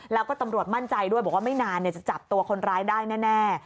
แล้วก็ตำรวจมั่นใจด้วยบอกว่าไม่นานจะจับตัวคนร้ายได้แน่